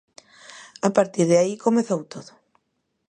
A partir de aí, comezou todo.